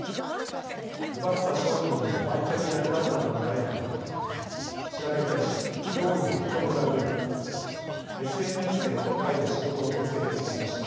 奪った商品の売却役だったと見られるということで調べに対し容疑を認めたうえでＳＮＳで今回の仕事を見つけて応募した。